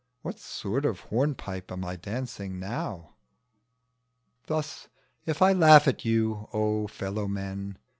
What sort of hornpipe am I dancing now? Thus if I laugh at you, O fellow men!